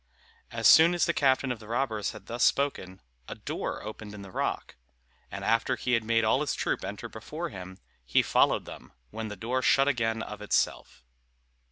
As soon as the captain of the robbers had thus spoken, a door opened in the rock; and after he had made all his troop enter before him, he followed them, when the door shut again of itself.